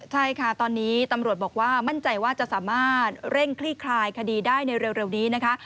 ใช่ค่ะตอนนี้ตำรวจบอกว่ามั่นใจว่าจะสามารถเร่งคลี่คลายคดีได้ในเร็วนี้นะคะ